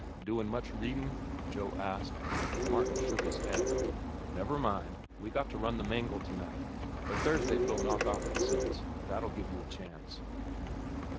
"Doin' much readin'?" Joe asked. Martin shook his head. "Never mind. We got to run the mangle to night, but Thursday we'll knock off at six. That'll give you a chance."